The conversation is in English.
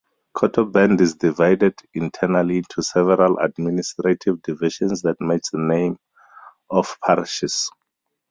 Cotobad is divided internally into several administrative divisions that match the name of parishes.